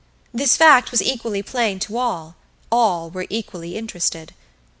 This fact was equally plain to all all were equally interested.